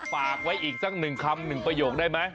ฝากไว้อีกหนึ่งข้ำหนึ่งประโยคนได้มั้ย